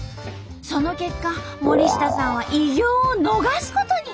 その結果森下さんは偉業を逃すことに。